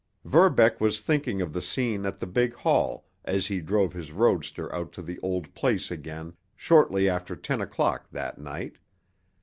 Verbeck was thinking of the scene at the big hall as he drove his roadster out to the old place again shortly after ten o'clock that night.